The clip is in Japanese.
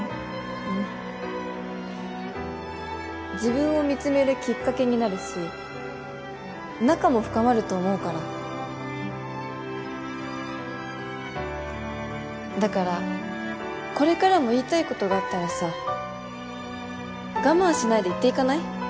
うん自分を見つめるきっかけになるし仲も深まると思うからだからこれからも言いたいことがあったらさ我慢しないで言っていかない？